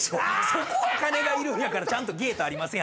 そこは金が要るんやからちゃんとゲートありますやんか。